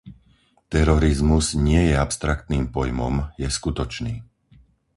Terorizmus nie je abstraktným pojmom, je skutočný.